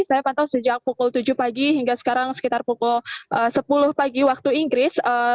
saya pantau sejak pukul tujuh pagi hingga sekarang sekitar pukul sepuluh pagi waktu inggris